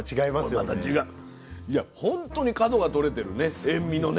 いや本当に角がとれてるね塩味のね。